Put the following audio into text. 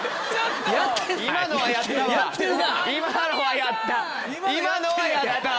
今のはやったわ！